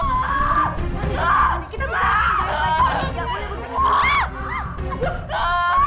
nah fani fani